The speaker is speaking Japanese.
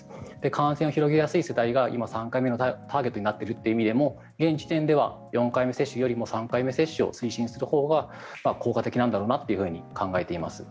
感染を広げやすい世代が今、３回目のターゲットになっているという意味でも現時点では４回目接種よりも３回目接種を推進するほうが効果的なんだろうなと考えています。